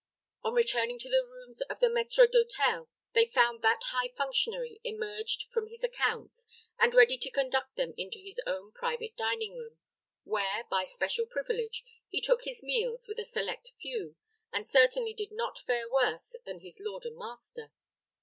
On returning to the rooms of the maître d'hôtel, they found that high functionary emerged from his accounts, and ready to conduct them into his own private dining room, where, by especial privilege, he took his meals with a select few, and certainly did not fare worse than his lord and master.